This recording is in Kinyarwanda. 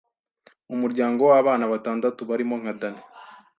umuryangow’abana batandatu barimo nka Danny